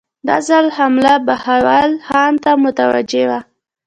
دا ځل حمله بهاول خان ته متوجه وه.